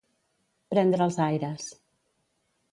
Prendre els aires.